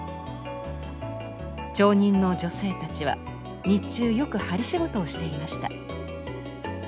町人の女性たちは日中よく針仕事をしていました。